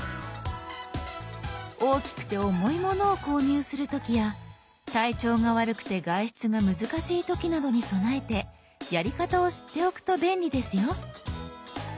大きくて重いものを購入する時や体調が悪くて外出が難しい時などに備えてやり方を知っておくと便利ですよ。